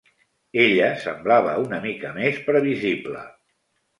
Ella semblava una mica més previsible.